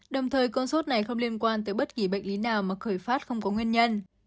đồng thời con sốt này không liên quan tới bất kỳ bệnh lý nào mà khởi phát không có nguyên nhân